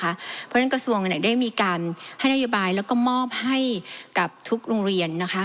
เพราะฉะนั้นกระทรวงได้มีการให้นโยบายแล้วก็มอบให้กับทุกโรงเรียน